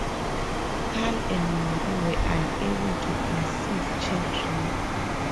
Carl and Marie were unable to conceive children.